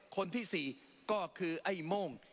คนที่๔ก็คือไอ้โม่ง